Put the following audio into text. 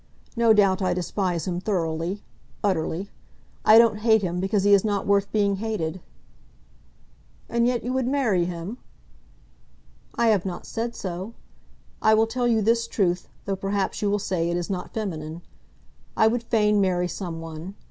No doubt I despise him thoroughly, utterly. I don't hate him, because he is not worth being hated." "And yet you would marry him?" "I have not said so. I will tell you this truth, though perhaps you will say it is not feminine. I would fain marry some one.